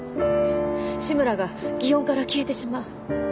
志むらが祇園から消えてしまう。